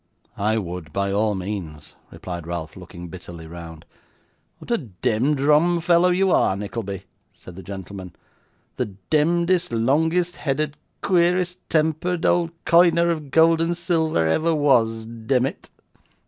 'I would, by all means,' replied Ralph, looking bitterly round. 'What a demd rum fellow you are, Nickleby,' said the gentleman, 'the demdest, longest headed, queerest tempered old coiner of gold and silver ever was demmit.